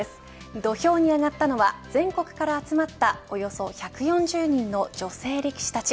土俵に上がったのは全国から集まったおよそ１４０人の女性力士たち。